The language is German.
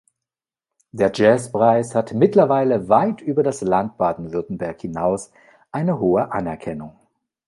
Der Jazzpreis hat mittlerweile weit über das Land Baden-Württemberg hinaus eine hohe Anerkennung.